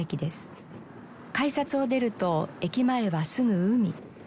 改札を出ると駅前はすぐ海。